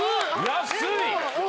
安い！